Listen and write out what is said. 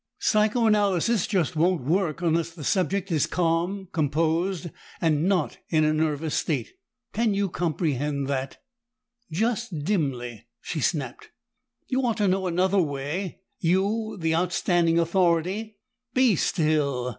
Psychoanalysis just won't work unless the subject is calm, composed, and not in a nervous state. Can you comprehend that?" "Just dimly!" she snapped. "You ought to know another way you, the outstanding authority " "Be still!"